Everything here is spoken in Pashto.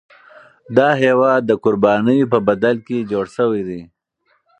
دا هیواد د قربانیو په بدل کي جوړ شوی دی.